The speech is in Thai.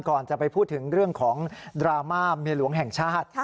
ก่อนจะไปพูดถึงเรื่องของดราม่าเมียหลวงแห่งชาติ